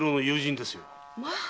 まあ！